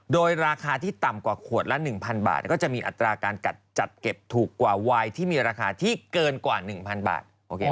โดยราคาที่ต่ำกว่าขวดละ๑๐๐บาทก็จะมีอัตราการกัดจัดเก็บถูกกว่าวายที่มีราคาที่เกินกว่า๑๐๐บาท